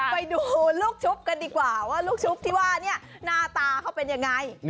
ไปดูลูกชุบกันดีกว่าว่าลูกชุบที่ว่าเนี่ยหน้าตาเขาเป็นยังไง